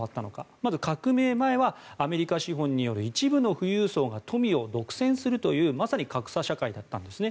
まず、革命前はアメリカ資本による一部の富裕層が富を独占するというまさに格差社会だったんですね。